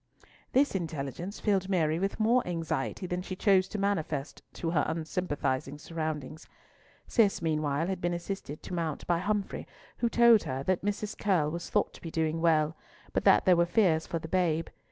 This intelligence filled Mary with more anxiety than she chose to manifest to her unsympathising surroundings; Cis meanwhile had been assisted to mount by Humfrey, who told her that Mrs. Curll was thought to be doing well, but that there were fears for the babe.